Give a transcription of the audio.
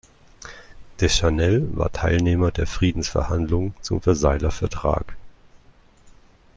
Deschanel war Teilnehmer der Friedensverhandlungen zum Versailler Vertrag.